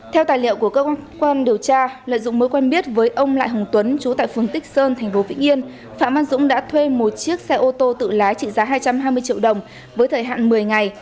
theo tài liệu của cơ quan điều tra lợi dụng mối quen biết với ông lại hồng tuấn chú tại phường tích sơn tp vĩnh yên phạm văn dũng đã thuê một chiếc xe ô tô tự lái trị giá hai trăm hai mươi triệu đồng với thời hạn một mươi ngày